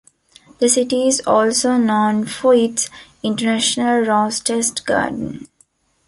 The city is also known for its International Rose Test Garden.